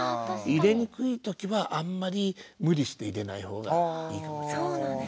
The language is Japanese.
入れにくい時はあんまり無理して入れない方がいいかもしれません。